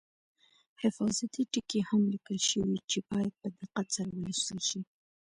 حفاظتي ټکي هم لیکل شوي چې باید په دقت سره ولوستل شي.